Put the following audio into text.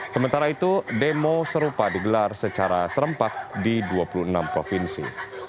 sementara itu demo serupa digelar secara serempak di dua puluh enam provinsi